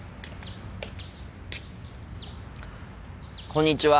こんにちは。